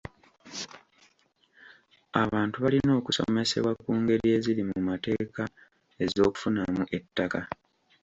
Abantu balina okusomesebwa ku ngeri eziri mu mateeka ez'okufunamu ettaka.